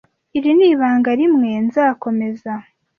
Iri ni ibanga rimwe nzakomeza.